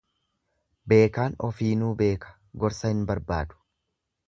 Beekaan ofiinuu beeka gorsa hin barbaadu.